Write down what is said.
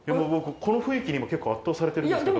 この雰囲気に結構、圧倒されてるんですけど。